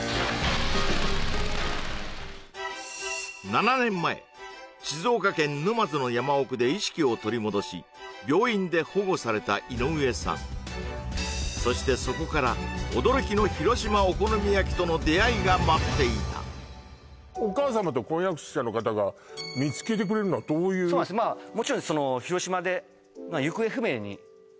７年前静岡県沼津の山奥で意識を取り戻し病院で保護された井上さんそしてそこから驚きの広島お好み焼きとの出会いが待っていたお母様と婚約者の方が見つけてくれるのはどういうそうなんですもちろん広島でそうです